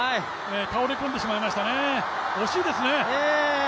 倒れ込んでしまいましたね、惜しいですね。